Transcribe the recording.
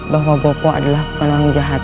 bahwa bopo adalah bukan orang jahat